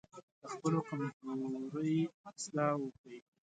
د خپلو کمزورۍ اصلاح وکړئ.